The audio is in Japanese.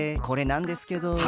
これなんですけど。